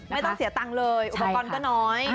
ไม่ต้องเสียตังค์เลยอุปกรณ์ก็น้อย